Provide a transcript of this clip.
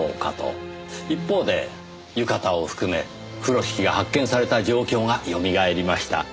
一方で浴衣を含め風呂敷が発見された状況がよみがえりました。